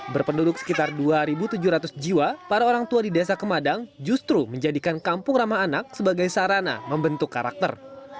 berpenduduk sekitar dua tujuh ratus jiwa para orang tua di desa kemadang justru menjadikan kampung ramah anak sebagai sarana membentuk karakter